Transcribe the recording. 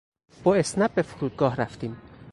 با اسنپ به فرودگاه رفتیم.